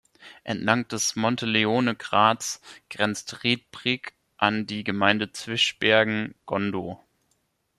Entlang des Monte-Leone-Grats grenzt Ried-Brig an die Gemeinde Zwischbergen-Gondo.